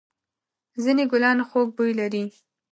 ځېنې گلان خوږ بوی لري.